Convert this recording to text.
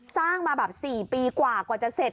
สร้างมาแบบ๔ปีกว่ากว่าจะเสร็จ